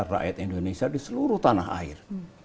rakyat indonesia di seluruh tanah air